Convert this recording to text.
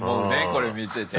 これ見てて。